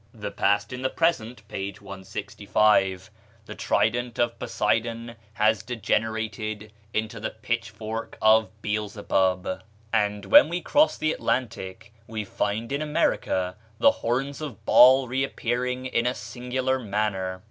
("The Past in the Present," p. 165.) The trident of Poseidon has degenerated into the pitchfork of Beelzebub! And when we cross the Atlantic, we find in America the horns of Baal reappearing in a singular manner.